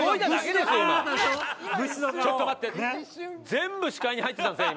全部視界に入ってたんですね